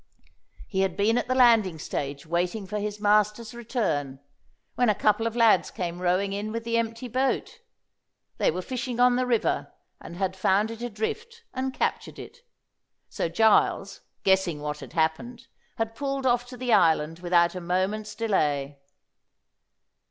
He had been at the landing stage waiting for his master's return, when a couple of lads came rowing in with the empty boat. They were fishing on the river, and had found it adrift and captured it. So Giles, guessing what had happened, had pulled off to the island without a moment's delay.